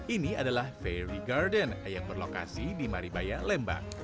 ini adalah very garden yang berlokasi di maribaya lembang